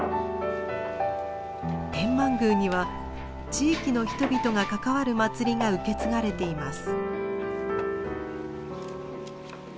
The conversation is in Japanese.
天満宮には地域の人々が関わる祭りが受け継がれています。